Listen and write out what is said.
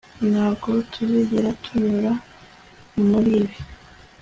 Ntabwo tuzigera tunyura muribi